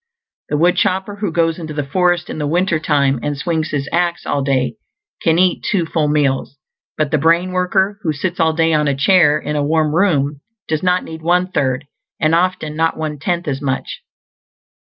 The woodchopper who goes into the forest in the winter time and swings his axe all day can eat two full meals; but the brain worker who sits all day on a chair, in a warm room, does not need one third and often not one tenth as much.